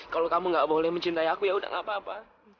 kalau kamu gak boleh mencintai aku ya udah gak apa apa